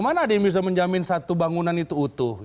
mana ada yang bisa menjamin satu bangunan itu utuh